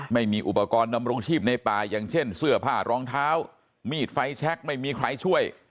ไม่มีอุปกรณ์ดำรงชีพในป่าอย่างเช่นเสื้อผ้ารองเท้ามีดไฟแชคไม่มีใครช่วย